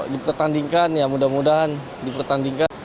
dipertandingkan ya mudah mudahan dipertandingkan